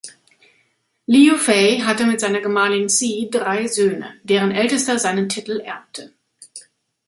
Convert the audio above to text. Liu Fei hatte mit seiner Gemahlin Si drei Söhne, deren ältester seinen Titel erbte.